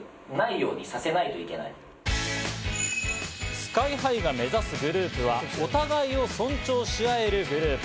ＳＫＹ−ＨＩが目指すグループは、お互いを尊重しあえるグループ。